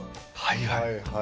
はいはい。